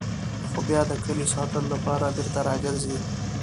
خو بیا د کلي ساتلو لپاره بېرته راګرځي.